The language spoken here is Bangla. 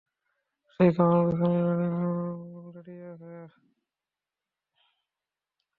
ঠিক আমার পিছনেই দাঁড়িয়ে আছে।